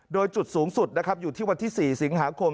โดยจุดสูงสุดนะครับอยู่ที่วันที่๔สิงหาคม